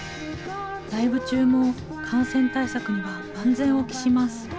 ライブ中も感染対策には万全を期します。